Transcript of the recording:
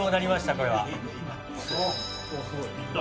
これは。